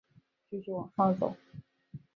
继续往上走